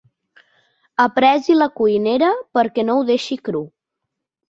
Apressi la cuinera perquè no ho deixi cru.